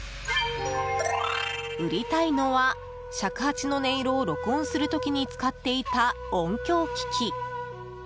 売りたいのは尺八の音色を録音する時に使っていた音響機器。